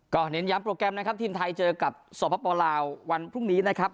เน้นย้ำโปรแกรมนะครับทีมไทยเจอกับสปลาววันพรุ่งนี้นะครับ